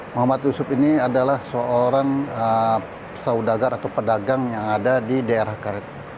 muhammad yusuf ini adalah seorang saudagar atau pedagang yang ada di daerah karet